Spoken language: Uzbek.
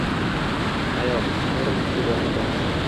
Ayo, Tangrim yuborgan baxt